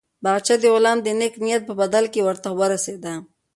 باغچه د غلام د نېک نیت په بدل کې ورته ورسېده.